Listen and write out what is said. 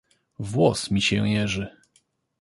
"Włos mi się jeży."